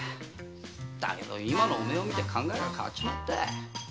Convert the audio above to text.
だけど今のお前を見て考えが変わっちまった。